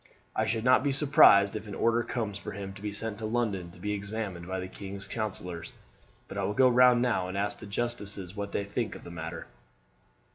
I should not be surprised if an order comes for him to be sent to London to be examined by the king's councillors; but I will go round now and ask the justices what they think of the matter."